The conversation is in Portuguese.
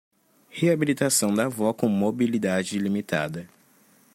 Reabilitação da avó com mobilidade limitada